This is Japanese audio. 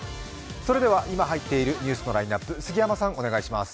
それでは今入っているニュースのラインナップ、杉山さん、お願いします。